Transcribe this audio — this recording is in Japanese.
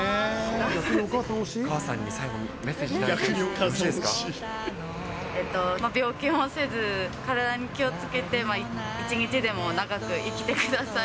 最後にお母さんにメッセージえっと、病気もせず、体に気をつけて一日でも長く生きてください。